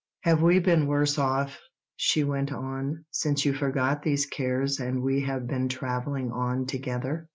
"Have we been worse off," she went on, "since you forgot these cares and we have been travelling on together?